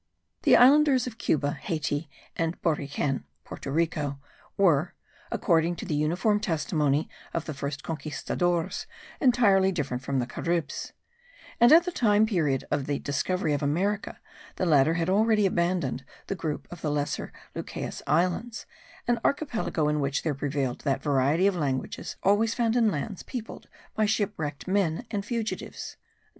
The islanders of Cuba, Hayti, and Boriken (Porto Rico) were, according to the uniform testimony of the first conquistadores, entirely different from the Caribs; and at the period of the discovery of America, the latter had already abandoned the group of the lesser Lucayes Islands; an archipelago in which there prevailed that variety of languages always found in lands peopled by shipwrecked men and fugitives.